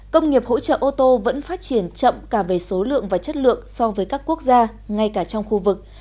công nghiệp hỗ trợ ô tô vẫn phát triển chậm cả về số lượng và chất lượng so với các quốc gia ngay cả trong khu vực